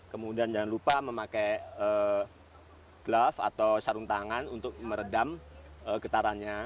kemudian jangan lupa memakai glove atau sarung tangan untuk meredam getarannya